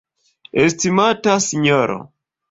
Estimata Sinjoro.